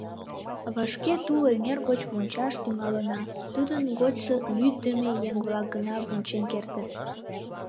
— Вашке тул эҥер гоч вончаш тӱҥалына, тудын гочшо лӱддымӧ еҥ-влак гына вончен кертыт.